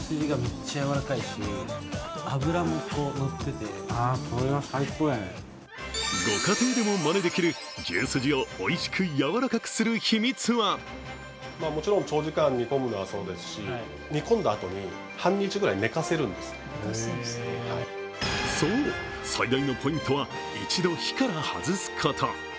たれにいっぱいつけてご家庭でもまねできる、牛すじをおいしく、柔らかくする秘密はそう、最大のポイントは一度火から外すこと。